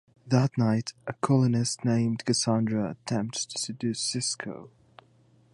That night, a colonist named Cassandra attempts to seduce Sisko.